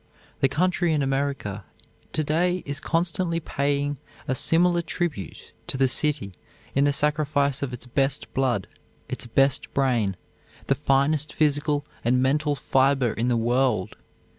The country in America to day is constantly paying a similar tribute to the city in the sacrifice of its best blood, its best brain, the finest physical and mental fiber in the world.